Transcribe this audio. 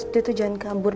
dia tuh jangan kabur